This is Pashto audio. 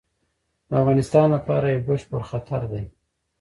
د افغانستان لپاره یو بشپړ خطر دی.